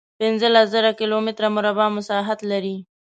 پنځلس زره کیلومتره مربع مساحت لري.